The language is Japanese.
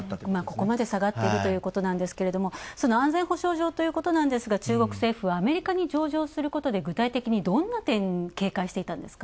ここまで下がっているということなんですけども安全保障上ということなんですが中国政府はアメリカに上場することで具体的にどんな点、警戒していたんですか？